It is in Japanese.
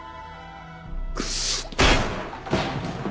クソ。